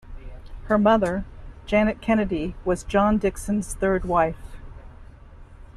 Her mother, Janet Kennedy, was John Dixon's third wife.